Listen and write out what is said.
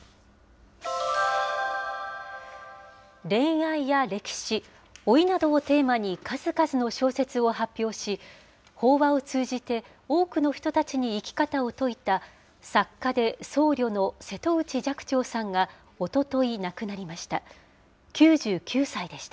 恋愛や歴史、老いなどをテーマに、数々の小説を発表し、法話を通じて多くの人たちに生き方を説いた作家で僧侶の瀬戸内寂聴さんがおととい亡くなりました。